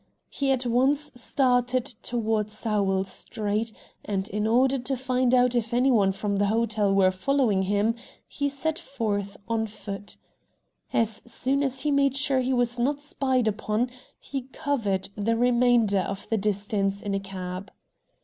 He at once started toward Sowell Street, and in order to find out if any one from the hotel were following him, he set forth on foot. As soon as he made sure he was not spied upon, he covered the remainder of the distance in a cab.